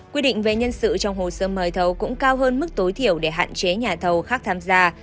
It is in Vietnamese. quy định về nhân sự trong hồ sơ mời thầu cũng cao hơn mức tối thiểu để hạn chế nhà thầu khác tham gia